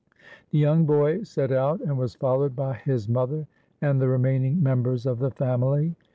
The young boy set out, and was followed by his mother and the remaining members of the family.